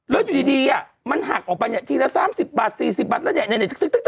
แล้วอยู่ดีมันหักออกไปเนี่ยทีละ๓๐บาท๔๐บาทแล้วเนี่ย